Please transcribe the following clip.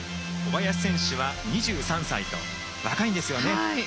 小林選手は２３歳と若いんですよね。